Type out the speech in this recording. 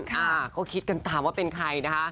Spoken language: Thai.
อ่าเขาคิดกันตามว่าเป็นใครนะคะ